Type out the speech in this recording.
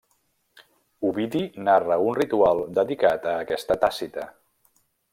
Ovidi narra un ritual dedicat a aquesta Tàcita.